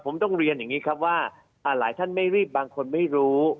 ผมต้องเรียนอย่างนี้ครับว่าหลายท่านไม่รีบบางคนไม่รู้